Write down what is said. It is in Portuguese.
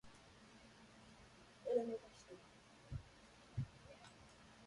Ele é meu pastor.